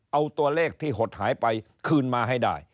เอาตัวเลขที่หดหายไปคืนมาให้ได้